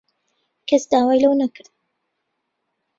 کەس داوای لەو نەکرد.